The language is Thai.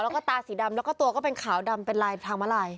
แล้วก็ตาสีดำแล้วก็ตัวก็เป็นขาวดำเป็นลายทางมาลาย